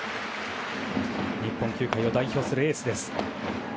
日本球界を代表するエースです。